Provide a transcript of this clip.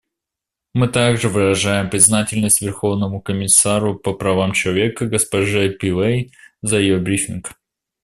Мы также выражаем признательность Верховному комиссару по правам человека госпоже Пиллэй за ее брифинг.